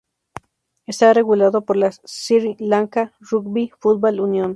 Está regulado por la Sri Lanka Rugby Football Union.